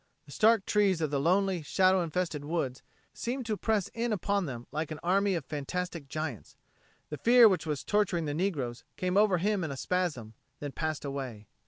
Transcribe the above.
The stark trees of the lonely, shadow infested woods seemed to press in upon them like an army of fantastic giants. The fear which was torturing the negroes came over him in a spasm, then passed away.